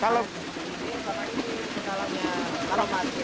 kalau ini kendalanya sebaliknya karetnya ini putus